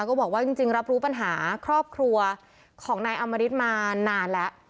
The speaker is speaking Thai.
ก็บอกว่าจริงรับรู้ปัญหาครอบครัวของนายอมริตมานานแล้ว